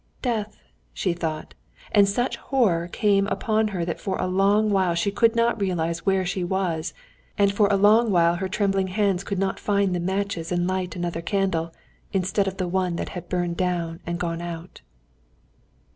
"Death!" she thought. And such horror came upon her that for a long while she could not realize where she was, and for a long while her trembling hands could not find the matches and light another candle, instead of the one that had burned down and gone out.